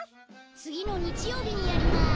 つぎのにちようびにやります。